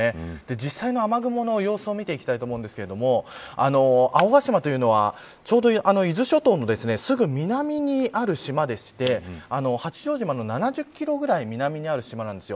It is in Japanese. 実際の雨雲の様子を見ていきたいと思いますが青ヶ島というのはちょうど伊豆諸島のすぐ南にある島でして八丈島の７０キロぐらい南にある島なんです。